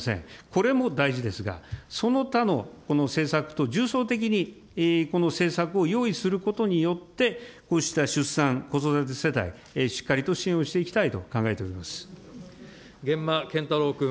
これも大事ですが、その他のこの政策と重層的にこの政策を用意することによって、こうした出産・子育て世帯、しっかりと支援をしていきたいと考え源馬謙太郎君。